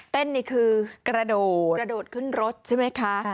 เต้นนี่คือกระโดดขึ้นรถใช่ไหมคะ